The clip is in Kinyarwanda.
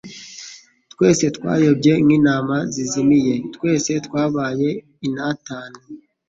Twese twayobye nk'intama zizimiye, twese twabaye intatane;